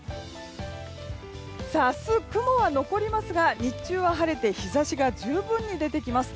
明日、雲は残りますが日中は晴れて日差しが十分に出てきます。